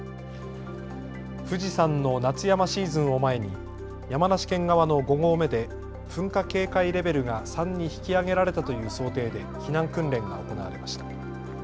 富士山の夏山シーズンを前に山梨県側の５合目で噴火警戒レベルが３に引き上げられたという想定で避難訓練が行われました。